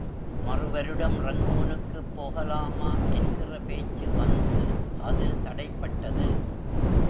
மறு வருடம் ரங்கூனுக்குப் போகலாமா என்கிற பேச்சு வந்து, அது தடைப்பட்டது.